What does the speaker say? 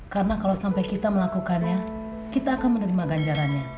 karena kalau sampai kita melakukannya kita akan menerima ganjarannya